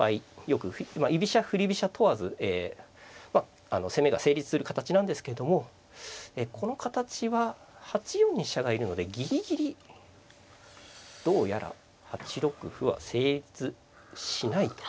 よく居飛車振り飛車問わず攻めが成立する形なんですけどもこの形は８四に飛車がいるのでぎりぎりどうやら８六歩は成立しないと。